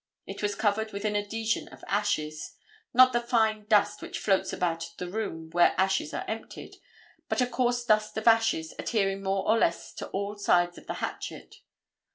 It was covered with an adhesion of ashes, not the fine dust which floats about the room where ashes are emptied, but a coarse dust of ashes adhering more or less to all sides of the hatchet.